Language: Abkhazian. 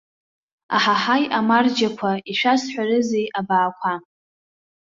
Аҳаҳаи амарџьақәа, ишәасҳәарызеи абаақәа!